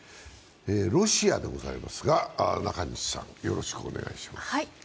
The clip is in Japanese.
ロシアでございますが、中西さん、よろしくお願いします。